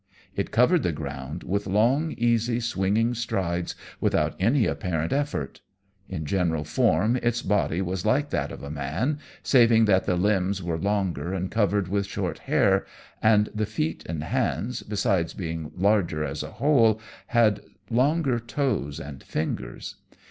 It covered the ground with long, easy, swinging strides, without any apparent effort. In general form its body was like that of a man, saving that the limbs were longer and covered with short hair, and the feet and hands, besides being larger as a whole, had longer toes and fingers.